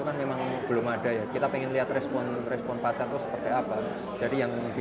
konsepnya seperti itu